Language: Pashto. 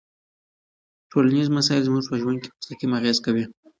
ټولنيز مسایل زموږ په ژوند مستقیم اغېز کوي.